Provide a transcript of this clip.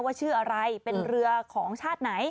ชื่ออะไรเป็นเรือของชาติไหน